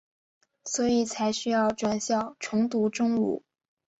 所以才需要转校重读中五。